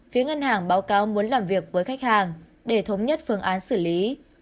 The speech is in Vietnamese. phía ngân hàng báo cáo muốn làm việc với khách hàng để thống nhất phương án xử lý